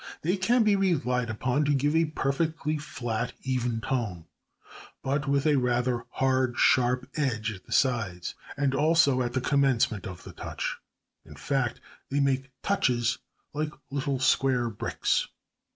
They can be relied upon to give a perfectly flat, even tone, but with a rather hard sharp edge at the sides, and also at the commencement of the touch. In fact, they make touches like little square bricks.